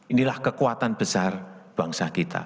inilah kekuatan besar bangsa kita